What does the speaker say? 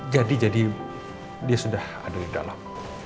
jadi jadi dia sudah ada di dalam